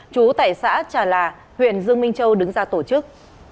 chú tại xã trà là huyện dương minh châu đứng ra tổ chức